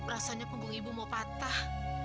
rasanya punggung ibu mau patah